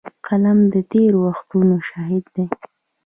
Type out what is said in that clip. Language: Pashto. قلم د تېر وختونو شاهد دی